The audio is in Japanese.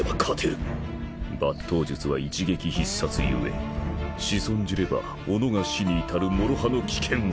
抜刀術は一撃必殺故仕損じればおのが死に至るもろ刃の危険技